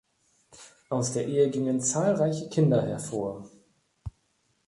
Aus der Ehe gingen zahlreiche Kinder hervor.